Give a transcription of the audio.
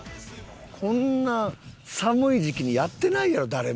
こんな寒い時期にやってないやろ誰も。